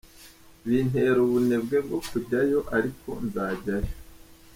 Bintera ubunebwe bwo kujyayo ariko nzajyayo.